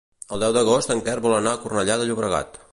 El deu d'agost en Quer vol anar a Cornellà de Llobregat.